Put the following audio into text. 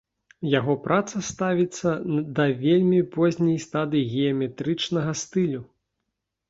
Яго праца ставіцца да вельмі позняй стадыі геаметрычнага стылю.